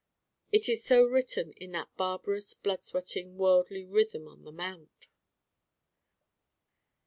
It is so written in that barbarous blood sweating worldly Rhythm on the Mount.